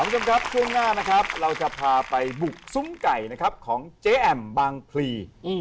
คุณผู้ชมครับช่วงหน้านะครับเราจะพาไปบุกซุ้มไก่นะครับของเจ๊แอมบางพลี